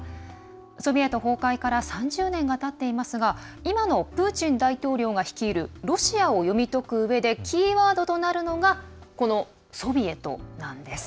ソビエト崩壊から３０年がたっていますが今のプーチン大統領が率いるロシアを読み解くうえでキーワードとなるのがこのソビエトなんです。